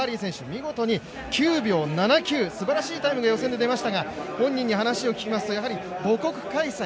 見事に９秒７９すばらしいタイムが予選で出ましたが本人に話を聞きますとやはり母国開催